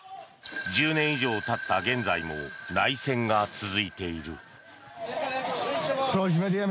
１０年以上経った現在も内戦が続いている。